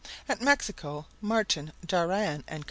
At Mexico, Martin Daran and Co.